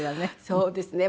そうですね。